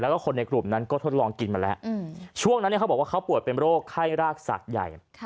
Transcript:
แล้วก็คนในกลุ่มนั้นก็ทดลองกินมาแล้วช่วงนั้นเขาบอกว่าเขาป่วยเป็นโรคไข้รากสัตว์ใหญ่